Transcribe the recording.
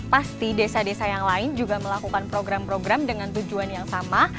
pasti desa desa yang lain juga melakukan program program dengan tujuan yang sama